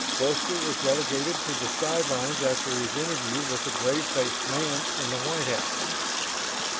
Forster was relegated to the sidelines after his interview with the grave faced man in the White House.